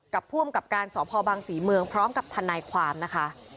กับผู้อำกับการสอบภอบังศรีเมืองพร้อมกับธันไนความนะคะ